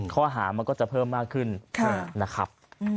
ข้อหามันก็จะเพิ่มมากขึ้นนะครับ